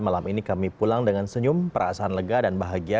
malam ini kami pulang dengan senyum perasaan lega dan bahagia